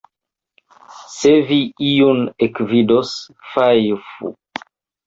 Se vi iun ekvidos, fajfu!